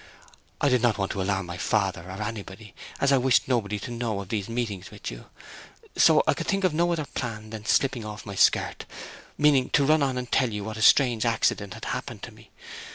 I did not want to alarm my father or anybody, as I wished nobody to know of these meetings with you; so I could think of no other plan than slipping off my skirt, meaning to run on and tell you what a strange accident had happened to me.